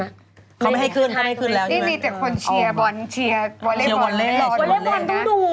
เขาก็ไม่ให้ขึ้นแล้วใช่ไหม